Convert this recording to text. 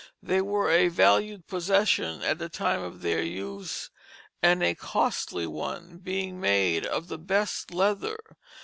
They were a valued possession at the time of their use, and a costly one, being, made of the best leather.